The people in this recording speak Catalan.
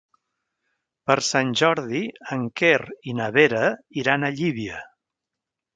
Per Sant Jordi en Quer i na Vera iran a Llívia.